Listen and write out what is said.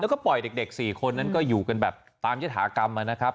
แล้วก็ปล่อยเด็ก๔คนนั้นก็อยู่กันแบบตามยฐากรรมนะครับ